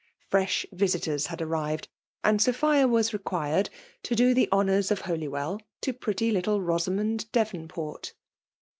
Fresh vin^ teiB had arrived; and Sophia was required to do the honousa of Hioly well to pretty little Bo* samond Devonport.